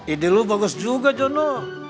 idu lu bagus juga jono